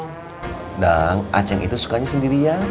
dadang acek itu sukanya sendirian